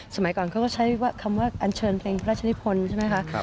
สมัยก่อนเขาก็ใช้คำว่าอัญเชิญเพลงพระราชนิพลใช่ไหมคะ